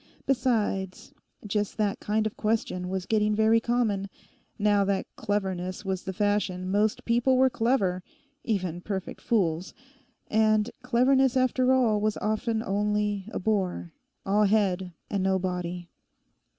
Besides, just that kind of question was getting very common. Now that cleverness was the fashion most people were clever—even perfect fools; and cleverness after all was often only a bore: all head and no body.